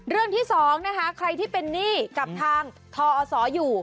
เรื่องที่สองนะคะใครที่เป็นหนี้กับทางทอศอยู่